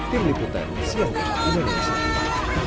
tim liputan sialga indonesia